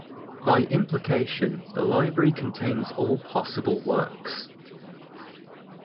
By implication the library contains all possible works.